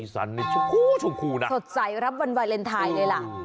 สันนี่ชมพูชมพูนะสดใสรับวันวาเลนไทยเลยล่ะ